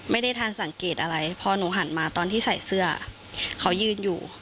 ไม่ทันสังเกตอะไรพอหนูหันมาตอนที่ใส่เสื้อเขายืนอยู่